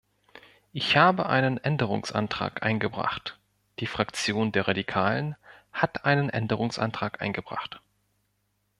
Ich habe einen Änderungsantrag eingebracht, die Fraktion der Radikalen hat einen Änderungsantrag eingebracht.